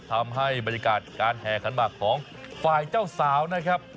ทำให้บรรยากาศการแห่ขันหมากของฝ่ายเจ้าสาวนะครับ